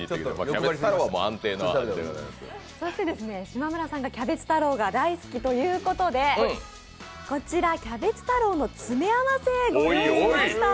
島村さんがキャベツ太郎が大好きということで、こちら、キャベツ太郎の詰め合わせご用意しました。